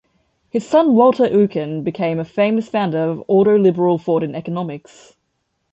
His son Walter Eucken became a famous founder of ordoliberal thought in economics.